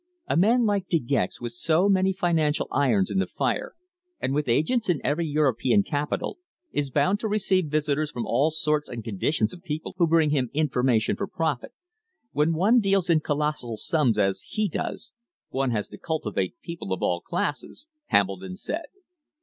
A man like De Gex, with so many financial irons in the fire, and with agents in every European capital, is bound to receive visits from all sorts and conditions of people who bring him information for profit. When one deals in colossal sums as he does, one has to cultivate people of all classes," Hambledon said.